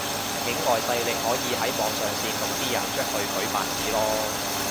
境外勢力可以喺網上煽動啲人出去舉白紙囉